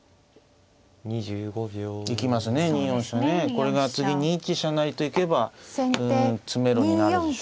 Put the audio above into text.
これが次２一飛車成と行けば詰めろになるでしょう。